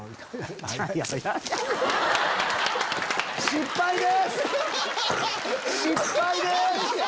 失敗です。